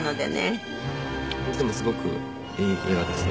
でもすごくいい映画ですね。